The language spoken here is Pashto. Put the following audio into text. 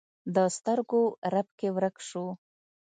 د سترګو رپ کې ورک شو